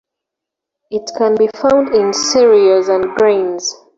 It can be found in cereals and grains.